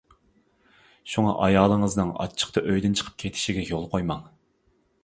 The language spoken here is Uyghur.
شۇڭا ئايالىڭىزنىڭ ئاچچىقتا ئۆيدىن چىقىپ كېتىشىگە يول قويماڭ.